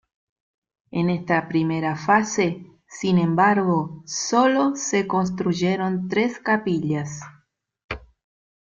En esta primera fase, sin embargo, sólo se construyeron tres capillas.